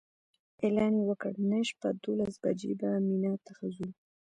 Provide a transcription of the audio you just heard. اعلان یې وکړ نن شپه دولس بجې به مینا ته ځو.